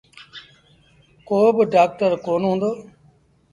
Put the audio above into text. ڪو با ڊآڪٽر ڪونا هُݩدو۔